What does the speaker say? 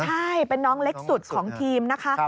ใช่เป็นน้องเล็กสุดของทีมนะคะ